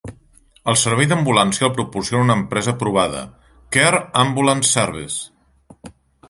El servei d'ambulància el proporciona una empresa provada, Care Ambulance Service.